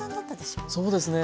そうですね。